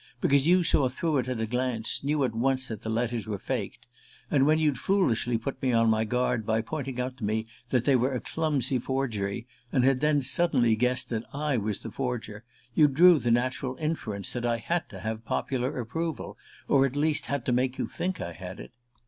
because you saw through it at a glance, knew at once that the letters were faked. And when you'd foolishly put me on my guard by pointing out to me that they were a clumsy forgery, and had then suddenly guessed that I was the forger, you drew the natural inference that I had to have popular approval, or at least had to make you think I had it.